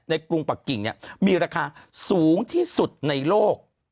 กรุงปะกิ่งมีราคาสูงที่สุดในโลก